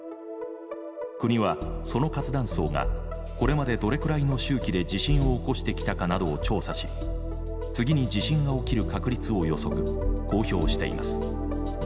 国はその活断層がこれまでどれくらいの周期で地震を起こしてきたかなどを調査し次に地震が起きる確率を予測公表しています。